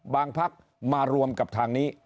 พักมารวมกับทางนี้